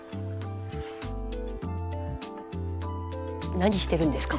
何してるんですか？